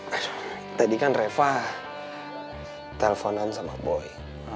mas tadi kan reva telponan sama boy